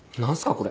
これ。